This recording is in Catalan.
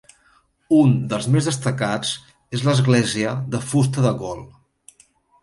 Un dels més destacats és l'església de fusta de Gol.